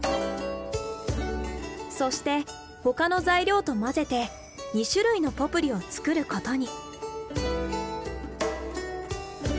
そして他の材料と混ぜて２種類のポプリを作ることに。